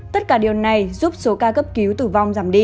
tất cả điều này giúp số ca cấp cứu tử vong giảm đi